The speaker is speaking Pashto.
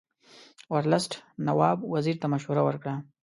ورلسټ نواب وزیر ته مشوره ورکړه.